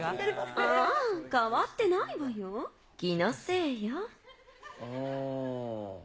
ああ、変わってないわよ、気のせいよ。